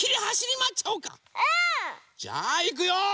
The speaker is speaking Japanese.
うん！じゃあいくよ！